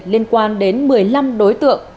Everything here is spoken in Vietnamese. liên quan đến một mươi năm đối tượng